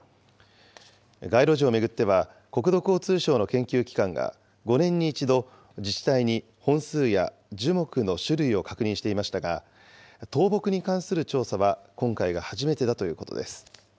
街路樹を巡っては、国土交通省の研究機関が５年に１度、自治体に本数や樹木の種類を確認していましたが、倒木に関する調査は今回が初めてだということです。